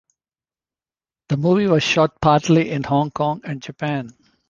The movie was shot partly in Hong Kong and Japan.